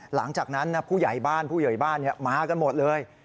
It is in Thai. หลังจากนั้นผู้ใหญ่บ้านผู้ใหญ่บ้านมากันหมดเลย